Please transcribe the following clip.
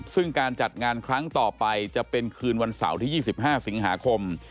ซึ่งการจัดงานครั้งต่อไปจะเป็นคืนวันเสาร์ที่๒๕สิงหาคม